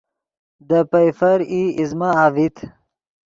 دے پئیفر ای ایزمہ اڤیت